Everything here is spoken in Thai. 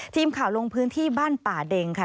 ทีมข่าวลงพื้นที่บ้านป่าเด็งค่ะ